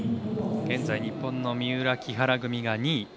現在、日本の三浦、木原組が２位。